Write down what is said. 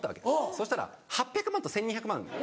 そしたら８００万と１２００万。